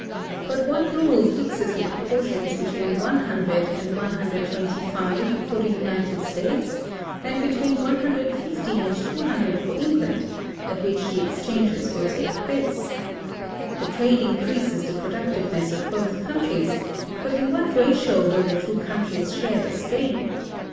But what rule fixes the proportions between 100 and 125 for the United States, and between 150 and 200 for England, at which the exchanges will take place? The trade increases the productiveness of both countries, but in what ratio will the two countries share this gain?